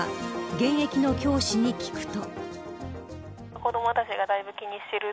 現役の教師に聞くと。